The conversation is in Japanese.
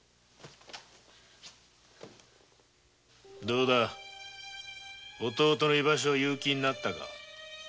どうだ弟の居場所を言う気になったか？